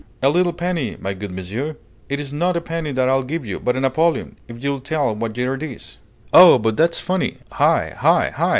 "A little penny, my good monsieur!" "It is not a penny that I'll give you, but a napoleon, if you'll tell what year it is." "Oh, but that's funny! Hi hi hi!"